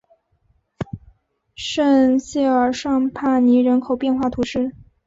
圣谢尔尚帕尼人口变化图示